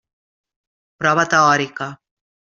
Prova teòrica.